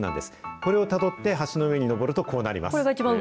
これをたどって橋の上に上ると、これが一番上？